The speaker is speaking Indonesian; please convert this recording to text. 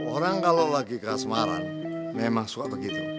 orang kalau lagi ke semarang memang suka begitu